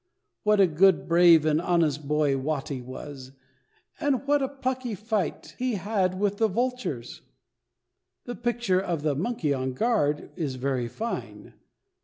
What a good, brave, and honest boy Watty was, and what a plucky fight he had with the vultures! The picture of the "Monkey on Guard" is very fine.